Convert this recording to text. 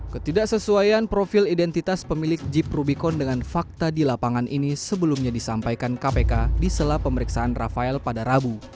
ketidaksesuaian profil identitas pemilik jeep rubicon dengan fakta di lapangan ini sebelumnya disampaikan kpk di sela pemeriksaan rafael pada rabu